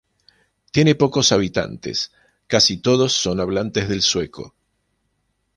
Tiene pocos habitantes, casi todos son hablantes del sueco.